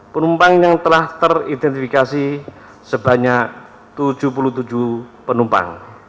penumpang yang telah teridentifikasi sebanyak tujuh puluh tujuh penumpang